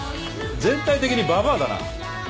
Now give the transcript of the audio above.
全体的にババアだな。